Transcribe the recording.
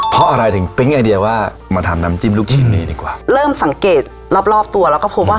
เพราะอะไรถึงปิ๊งไอเดียว่ามาทำน้ำจิ้มลูกชิ้นนี้ดีกว่าเริ่มสังเกตรอบรอบตัวแล้วก็พบว่า